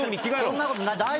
そんなことない大丈夫。